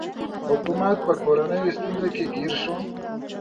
حکومت په کورنیو ستونزو کې ګیر شو.